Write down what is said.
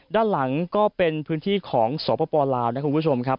ด้านหลังก็เป็นพื้นที่ของสปลาวนะคุณผู้ชมครับ